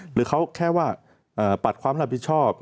หรือเขาแค่ว่าปัดความรับผิดชอบ